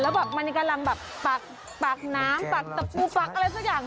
แล้วมันกำลังปากน้ำปากตะปูปากอะไรซักอย่าง